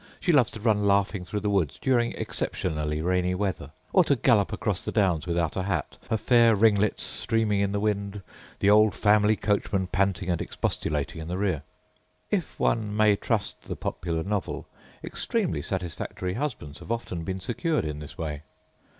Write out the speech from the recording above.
She loves to run laughing through the woods during exceptionally rainy weather; or to gallop across the downs without a hat, her fair ringlets streaming in the wind, the old family coachman panting and expostulating in the rear. If one may trust the popular novel, extremely satisfactory husbands have often been secured in this way.